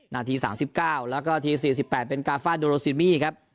นาทีสามสิบเก้าแล้วก็ทีสี่สิบแปดเป็นกาฟาดโดโรซิมีครับ